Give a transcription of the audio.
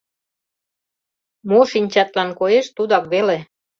Мо шинчатлан коеш — тудак веле.